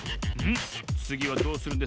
つぎはどうするんですか？